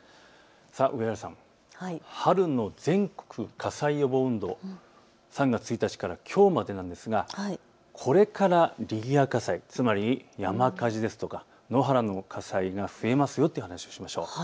上原さん、春の全国火災予防運動、３月１日からきょうまでなんですがこれから林野火災、つまり山火事ですとか野原の火災が増えますよという話をしましょう。